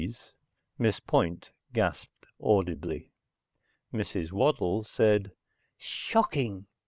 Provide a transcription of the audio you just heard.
's." Miss Point gasped audibly. Mrs. Waddle said, "Shocking!"